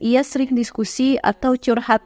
ia sering diskusi atau curhat